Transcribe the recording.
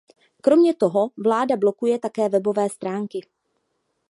Kromě toho vláda blokuje také webové stránky.